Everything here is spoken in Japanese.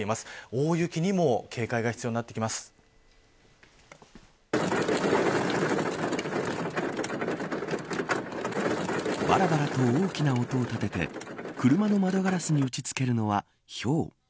大雪にもバラバラと大きな音を立てて車の窓ガラスに打ち付けるのはひょう。